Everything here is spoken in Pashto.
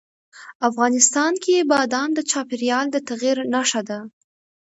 افغانستان کې بادام د چاپېریال د تغیر نښه ده.